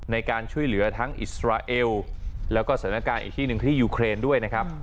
ในการช่วยเหลือทั้งอิสราเอลแล้วก็สถานการณ์อีกที่หนึ่งที่ยูเครนด้วยนะครับ